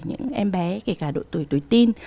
những em bé kể cả đội tuổi tuổi tin